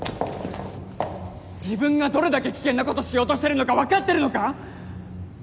自分がどれだけ危険なことしようとしてるのか分かってるのか！？